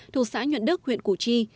thuộc xã nhuận đức huyện củ chi